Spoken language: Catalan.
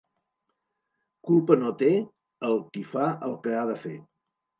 Culpa no té qui fa el que ha de fer.